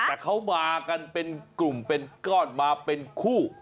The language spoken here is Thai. แต่เขามากันเป็นกลุ่มเป็นก้อนมาเป็นคู่